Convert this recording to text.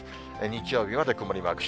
日曜日まで曇りマーク。